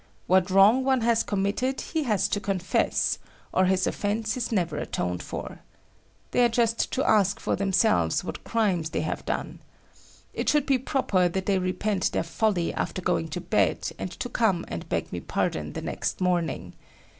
What wrong one has committed, he has to confess, or his offence is never atoned for. They are just to ask for themselves what crimes they have done. It should be proper that they repent their folly after going to bed and to come and beg me pardon the next morning.